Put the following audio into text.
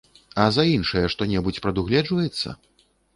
А за іншыя што-небудзь прадугледжваецца?